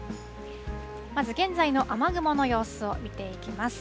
まず現在の雨雲の様子を見ていきます。